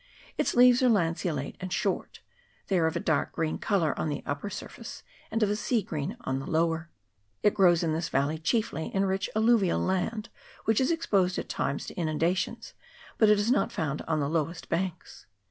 Its leaves are lanceolate and short : they are of a dark green colour on the upper surface, and of a sea green on the lower. It grows in this valley chiefly in rich alluvial land, which is exposed at times to inunda tions, but it is not found on the lowest banks.